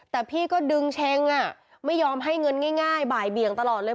แต่พี่ก็ดึงเช็งไม่ยอมให้เงินง่ายบ่ายเบี่ยงตลอดเลย